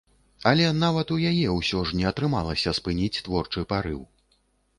Але нават у яе ўсё ж не атрымалася спыніць творчы парыў.